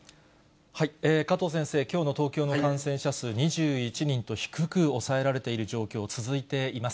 加藤先生、きょうの東京の感染者数２１人と低く抑えられている状況、続いています。